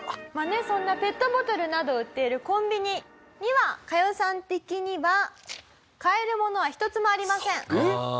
そんなペットボトルなどを売っているコンビニにはカヨさん的には買えるものは一つもありません。